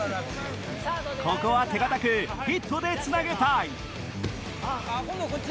ここは手堅くヒットでつなげたい今度こっち！